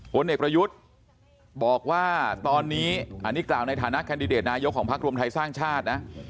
ผลเอกประยุทธ์บอกว่าตอนนี้อันนี้กล่าวในฐานะแคนดิเดตนายกของพักรวมไทยสร้างชาตินะ